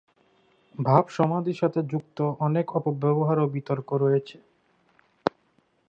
ভাব সমাধির সাথে যুক্ত অনেক অপব্যবহার ও বিতর্ক রয়েছে।